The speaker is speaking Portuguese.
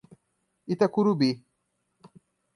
Itacurubi